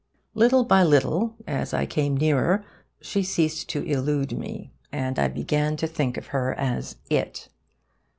Little by little, as I came nearer, she ceased to illude me, and I began to think of her as 'it.